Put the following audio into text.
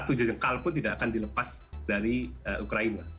karena satu jengkal pun tidak akan dilepas dari ukraina